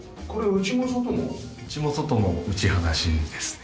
内も外も打ち放しですね。